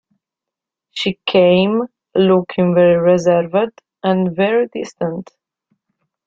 She came, looking very reserved and very distant.